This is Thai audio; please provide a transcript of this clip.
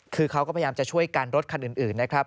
คือเขาก็พยายามจะช่วยกันรถคันอื่นนะครับ